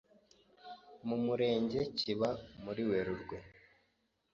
Mu Murenge kiba muri Werurwe